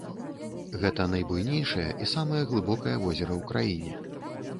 Гэта найбуйнейшае і самае глыбокае возера ў краіне.